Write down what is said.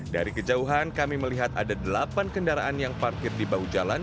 dari kejauhan kami melihat ada delapan kendaraan yang parkir di bahu jalan